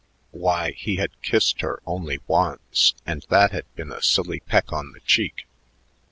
Why, he had kissed her only once, and that had been a silly peck on the cheek.